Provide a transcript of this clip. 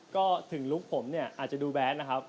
ก็ถึงลุคผมเนี่ยอาจจะดูแวดนะครับ